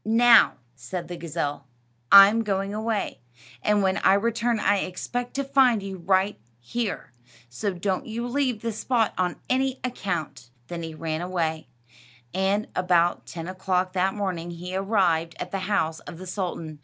"Now," said the gazelle, "I'm going away, and when I return I expect to find you right here; so don't you leave this spot on any account." Then he ran away, and about ten o'clock that morning he arrived at the house of the sultan.